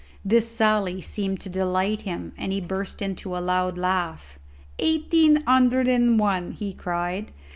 This sally seemed to delight him, and he burst into a loud laugh. "Eighteen hundred and one!" he cried.